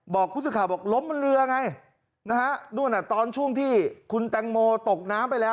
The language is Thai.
บอกกุศิษฐาบอกล้มบนเรือไงตอนช่วงที่คุณแตงโมตกน้ำไปแล้ว